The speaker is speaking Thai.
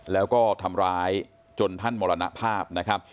แล้วก็ทำร้ายจนท่านมรณภาพนะครับ